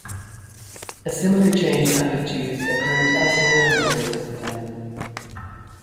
A similar change in attitudes occurred elsewhere in the world at the time.